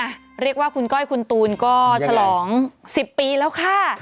เรียกว่าคุณก้อยคุณตูนก็ฉลอง๑๐ปีแล้วค่ะ